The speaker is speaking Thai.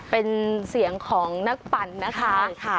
เป็นเสียงของนักปั่นนะคะ